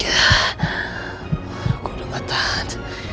aku udah gak tahan